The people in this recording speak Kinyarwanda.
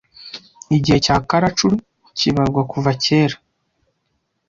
Igihe cya Kalachuri kibarwa kuva cyera